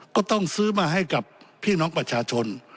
ก็ต้องซื้อมาให้กับพี่น้องประชาชน